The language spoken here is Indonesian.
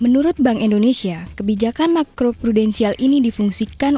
menurut bank indonesia kebijakan makroprudensial ini difungsikan